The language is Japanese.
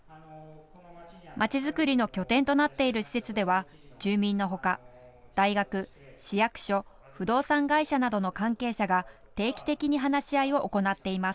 まちづくりの拠点となっている施設では住民のほか大学、市役所、不動産会社などの関係者が定期的に話し合いを行っています。